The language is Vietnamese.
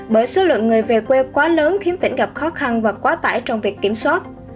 bởi số lượng người về quê quá lớn khiến tỉnh gặp khó khăn và quá tải trong việc kiểm soát